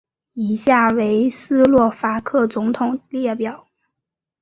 以下为斯洛伐克总统列表。